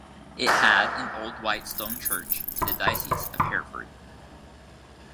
It had an old white stone church in the Diocese of Hereford.